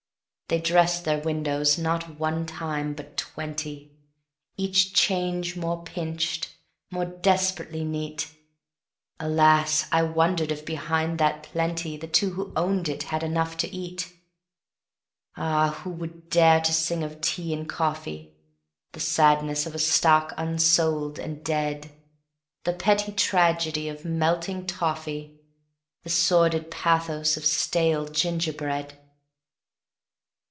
They dressed their windows not one time but twenty, Each change more pinched, more desperately neat; Alas! I wondered if behind that plenty The two who owned it had enough to eat. Ah, who would dare to sing of tea and coffee? The sadness of a stock unsold and dead; The petty tragedy of melting toffee, The sordid pathos of stale gingerbread.